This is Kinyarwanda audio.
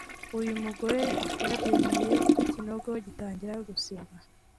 uyu mugore yarabyemeye ikinogo gitangira gusibwa